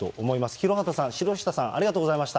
廣畑さん、城下さん、ありがとうございました。